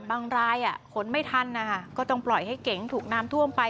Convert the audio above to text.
บางรายขนไม่ทันนะคะก็ต้องปล่อยให้เก๋งถูกน้ำท่วมไป